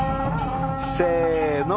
せの。